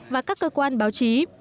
và các cơ quan báo chí